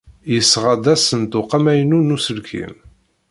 Yesɣa-d asenduq amaynu n uselkim.